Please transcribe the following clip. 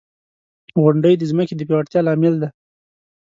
• غونډۍ د ځمکې د پیاوړتیا لامل دی.